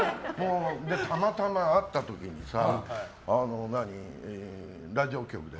たまたま会った時にさラジオ局で。